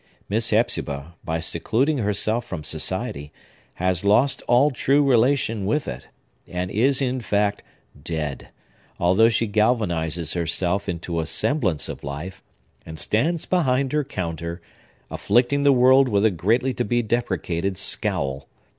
Miss Hepzibah, by secluding herself from society, has lost all true relation with it, and is, in fact, dead; although she galvanizes herself into a semblance of life, and stands behind her counter, afflicting the world with a greatly to be deprecated scowl.